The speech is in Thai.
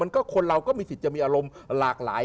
ก็คนเราก็มีสิทธิ์จะมีอารมณ์หลากหลาย